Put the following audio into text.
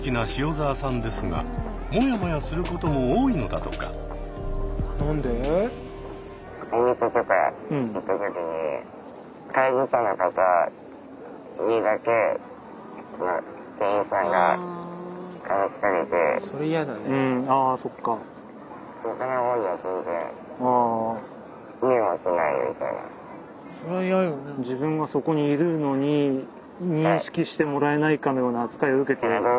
自分がそこにいるのに認識してもらえないかのような扱いを受けて。